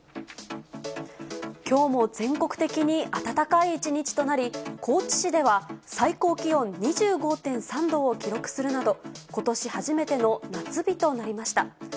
きょうも全国的に暖かい一日となり、高知市では最高気温２５．３度を記録するなど、ことし初めての夏日となりました。